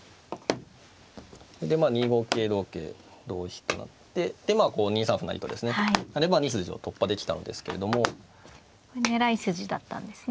でまあ２五桂同桂同飛となってでまあこう２三歩成とですね成れば２筋を突破できたのですけれども。狙い筋だったんですね。